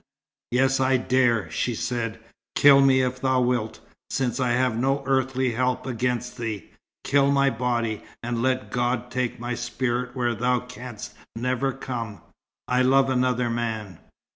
"Yes, I dare," she said. "Kill me if thou wilt. Since I have no earthly help against thee, kill my body, and let God take my spirit where thou canst never come. I love another man."